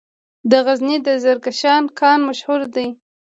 د غزني د زرکشان کان مشهور دی